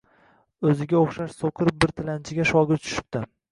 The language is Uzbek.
o’ziga o’xshash so’qir bir tilanchiga shogird tushibdi.